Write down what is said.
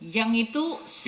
yang itu satu